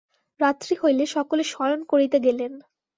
রাত্রি হইলে সকলে শয়ন করিতে গেলেন।